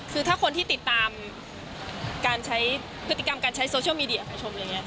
คือถ้าคนที่ติดตามการใช้พฤติกรรมการใช้โซเชียลมีเดียไปชมอย่างนี้